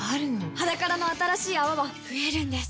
「ｈａｄａｋａｒａ」の新しい泡は増えるんです